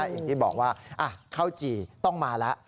อย่างที่บอกว่าข้าวจี่ต้องมาแล้ว